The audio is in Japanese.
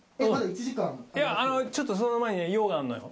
いやちょっとその前にね用があるのよ。